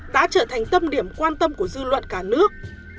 đã trở thành tâm điểm quan tâm của dư luận cả nước